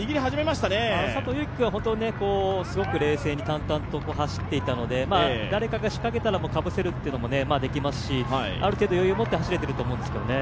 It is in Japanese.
君はすごく冷静に淡々と走っていたので、誰かが仕掛けたらかぶせるというのもできますしある程度余裕持って走れていると思うんですけどね。